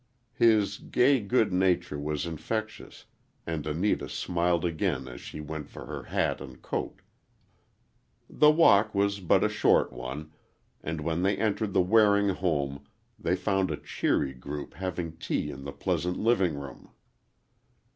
His gay good nature was infectious and Anita smiled again as she went for her hat and coat. The walk was but a short one, and when they entered the Waring home they found a cheery group having tea in the pleasant living room.